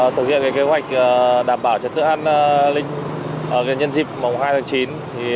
thực hiện kế hoạch đảm bảo trật tự an linh nhân dịp hai tháng chín